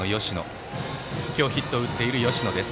今日、ヒットを打っている吉野です。